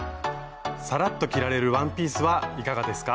さらっと着られるワンピースはいかがですか？